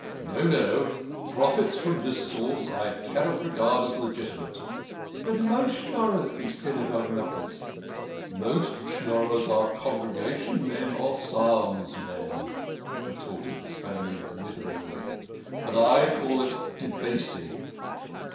No, no ! Profits from this source I cannot regard as legitimate." " But most Schnorrers be Synagogue knockers !"" Most Schnorrers are Congregation men or Psalms men," retorted the Spaniard witheringly. " But I call it debasing.